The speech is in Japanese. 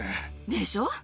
でしょ？